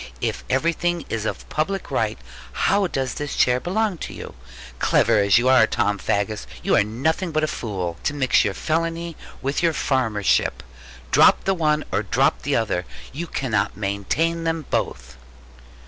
If everything is of public right, how does this chair belong to you? Clever as you are, Tom Faggus, you are nothing but a fool to mix your felony with your farmership. Drop the one, or drop the other; you cannot maintain them both.'